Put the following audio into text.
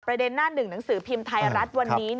หน้าหนึ่งหนังสือพิมพ์ไทยรัฐวันนี้